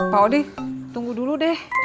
pak odi tunggu dulu deh